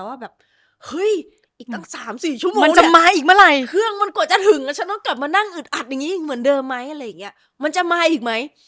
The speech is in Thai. เห้ยอีกตั้ง๓๔ชั่วโมงมันจะมาอีกเมื่อไหร่เครื่องมันกว่าจะถึงฉันต้องกลับมานั่งอึดอัดอย่างนี้เหมือนเดิมไหมมันจะมาอีกไหม